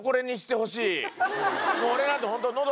俺なんてホント。